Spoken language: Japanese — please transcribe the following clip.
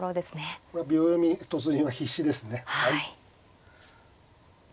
これは秒読み突入は必至ですね。